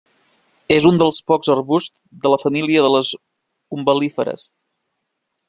És un dels pocs arbusts de la família de les umbel·líferes.